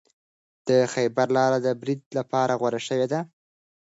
د خیبر لاره د برید لپاره غوره شوې ده.